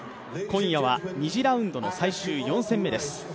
今夜は２次ラウンドの最終４戦目です。